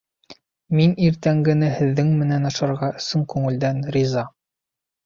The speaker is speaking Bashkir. Мин иртәнгене һеҙҙең менән ашарға ысын күңелдән риза.